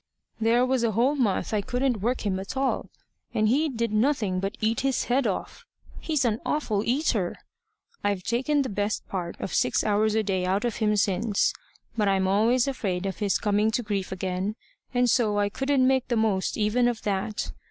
"There was a whole month I couldn't work him at all, and he did nothing but eat his head off. He's an awful eater. I've taken the best part of six hours a day out of him since, but I'm always afraid of his coming to grief again, and so I couldn't make the most even of that.